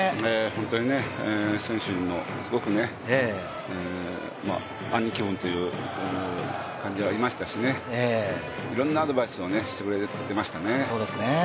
本当に選手の兄貴分という感じはありましたしね、いろんなアドバイスをしてくれてましたね。